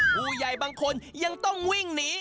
ผู้ใหญ่บางคนยังต้องวิ่งหนี